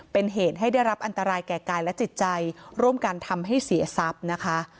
เป็นเหตุให้ได้รับอันตรายแก่กายและจิตใจร่วมกันทำให้เสียทรัพย์นะคะ